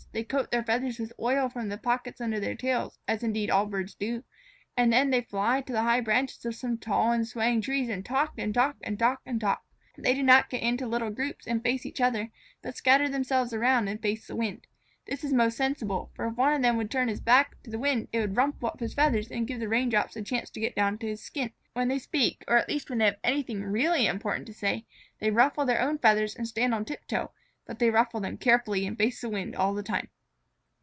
They coat their feathers with oil from the pockets under their tails, as indeed all birds do, and then they fly to the high branches of some tall and swaying tree and talk and talk and talk and talk. They do not get into little groups and face each other, but scatter themselves around and face the wind. This is most sensible, for if one of them were to turn his back to the wind, it would rumple up his feathers and give the raindrops a chance to get down to his skin. When they speak, or at least when they have anything really important to say, they ruffle their own feathers and stand on tip toe, but they ruffle them carefully and face the wind all the time.